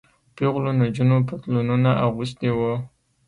پيغلو نجونو پتلونونه اغوستي وو.